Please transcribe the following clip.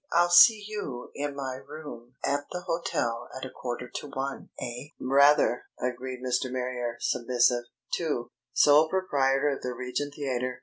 I'll see you in my room at the hotel at a quarter to one. Eh?" "Rather!" agreed Mr. Marrier, submissive. II. "Sole proprietor of the Regent Theatre."